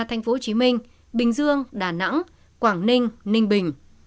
tp hcm bình dương đà nẵng quảng ninh ninh bình